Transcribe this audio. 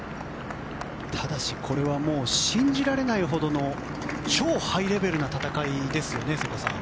ただしこれは信じられないほどの超ハイレベルな戦いですよね瀬古さん。